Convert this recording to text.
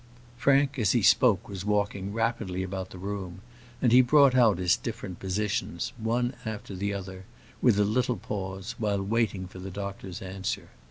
Frank, as he spoke, was walking rapidly about the room; and he brought out his different positions, one after the other, with a little pause, while waiting for the doctor's answer.